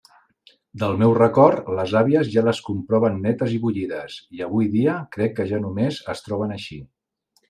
Del meu record, les àvies ja les compraven netes i bullides, i avui dia crec que ja només es troben així.